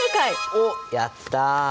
おっやった！